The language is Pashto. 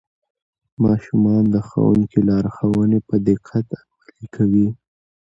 ماشومان د ښوونکي لارښوونې په دقت عملي کوي